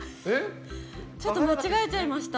ちょっと間違えちゃいました。